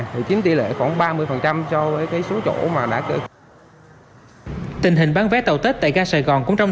thì chính tỷ lệ khoảng ba mươi cho cái số chỗ mà đã tình hình bán vé tàu tết tại ga sài gòn cũng trong